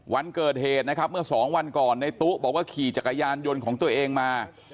วันเกิดเหตุนะครับเมื่อสองวันก่อนในตู้บอกว่าขี่จักรยานยนต์ของตัวเองมา